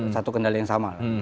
satu kendala yang sama